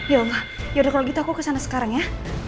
ya allah yaudah kalau gitu aku kesana sekarang ya